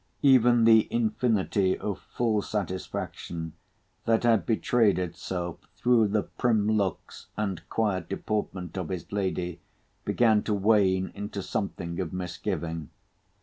Even the infinity of full satisfaction, that had betrayed itself through the prim looks and quiet deportment of his lady, began to wane into something of misgiving.